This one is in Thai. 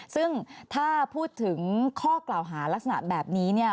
ซึ่งถ้าพูดถึงข้อกล่าวหาลักษณะแบบนี้